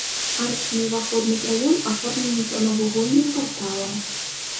Арачны ўваходны праём аформлены прамавугольным парталам.